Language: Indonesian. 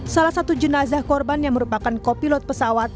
salah satu jenazah korban yang merupakan kopilot pesawat